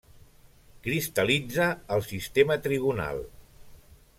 Cristal·litza al sistema trigonal.